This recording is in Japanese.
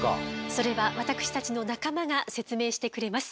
それは私たちの仲間が説明してくれます。